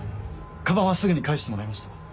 カバンはすぐに返してもらいました。